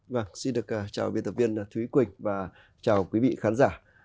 vâng xin được chào biên tập viên thúy quỳnh và chào quý vị khán giả